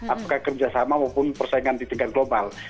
apakah kerjasama maupun persaingan di tingkat global